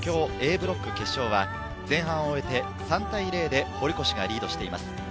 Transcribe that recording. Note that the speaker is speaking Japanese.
ブロック決勝は前半を終えて３対０で堀越がリードしています。